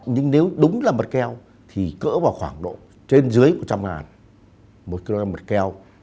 nhưng nếu đúng là mật keo thì cỡ vào khoảng độ trên dưới một trăm linh ngàn một kg mật keo